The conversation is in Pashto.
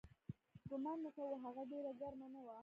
ګومان مې کاوه هغه ډېره ګرمه نه وه.